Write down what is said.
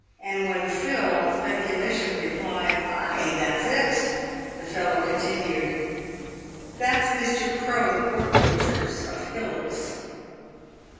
And when Phil on speculation replied, "Ay, that's it!" the fellow continued, " That's Mr. Crow the pork butcher's, of Hillocks."